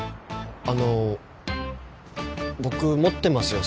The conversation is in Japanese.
あの僕持ってますよ